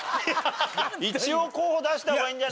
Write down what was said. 一応候補出した方がいいんじゃない？